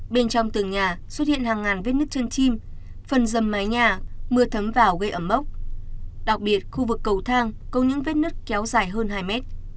bên trong tường nhà xuất hiện hàng ngàn vết nứt chân chim phần dầm mái nhà mưa thấm vào gây ẩm mốc đặc biệt khu vực cầu thang có những vết nứt kéo dài hơn hai mét